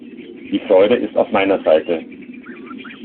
Die Freude ist auf meiner Seite!